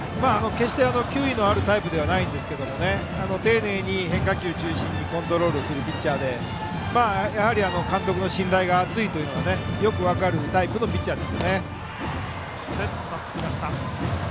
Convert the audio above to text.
決して球威のあるタイプではありませんが丁寧に変化球中心にコントロールするピッチャーで監督の信頼が厚いというのがよく分かるタイプのピッチャーですね。